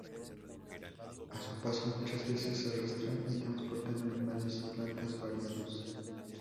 A su paso muchas veces arrastran y transportan animales y plantas variados.